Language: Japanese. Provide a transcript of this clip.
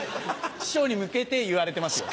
師匠に向けて言われてますよ。